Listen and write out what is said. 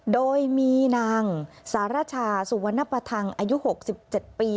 โดยมีนางสารชาสุวรรณปทังอายุ๖๗ปี